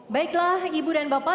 baiklah ibu dan bapak